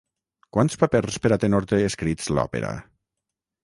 Quants papers per a tenor té escrits l'òpera?